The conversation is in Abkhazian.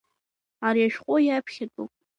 Ари ашәҟәы иаԥхьатәуп.